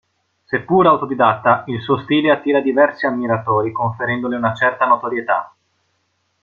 Seppur autodidatta, il suo stile attira diversi ammiratori conferendole una certa notorietà.